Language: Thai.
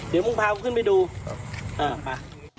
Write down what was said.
เดี๋ยวมึงพามึงขึ้นไปดูเออป่ะ